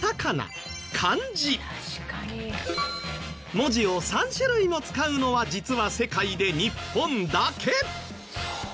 文字を３種類も使うのは実は世界で日本だけ。